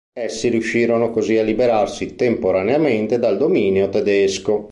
Essi riuscirono così a liberarsi temporaneamente dal dominio tedesco.